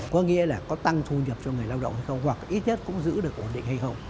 có nghĩa là có tăng thu nhập cho người lao động hay không hoặc ít nhất cũng giữ được ổn định hay không